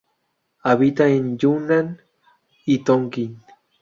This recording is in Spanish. Habita en Yunnan y Tonkin.